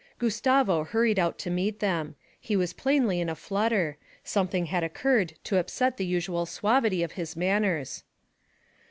Gustavo hurried out to meet them. He was plainly in a flutter; something had occurred to upset the usual suavity of his manners.